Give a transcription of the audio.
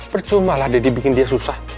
percuma lah deddy bikin dia susah